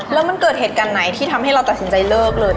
แล้วมันเกิดเหตุการณ์ไหนที่ทำให้เราตัดสินใจเลิกเลย